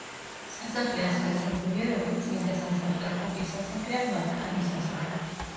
სასახლე ასევე ცნობილია როგორც წმინდა სასახლე, პაპის სასახლე ან ვატიკანის სასახლე.